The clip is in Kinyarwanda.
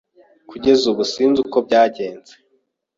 Kugeza ubu sinzi uko byagenze.